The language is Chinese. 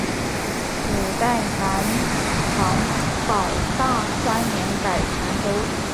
五代南唐保大三年改名南州。